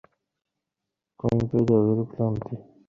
কণ্ঠে গভীর ক্লান্তি।